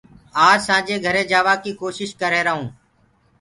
آج سآنٚجي گھري جآوآ ڪيٚ ڪوشيٚش ڪر ريهرآئونٚ